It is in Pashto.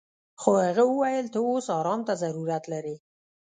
خو هغه وويل ته اوس ارام ته ضرورت لري.